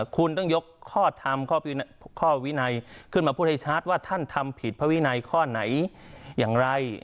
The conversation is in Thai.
คุณต้องยกข้อทำข้อวินัยขึ้นมาพูดให้ชัดว่าท่านทำผิดพระวินัยข้อไหนอย่างไร